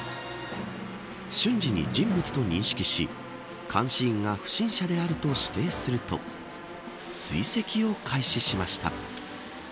瞬時に人物と認識し監視員が不審者であると指定すると追跡を開始しました。